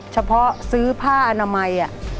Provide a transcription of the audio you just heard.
เฉพาะซื้อผ้าอนามัย